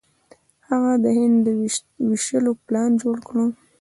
هغه د هند د ویشلو پلان جوړ کړ.